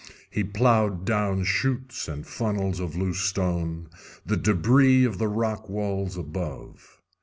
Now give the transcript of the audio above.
He ploughed down chutes and funnels of loose stone, the débris of the rock walls above.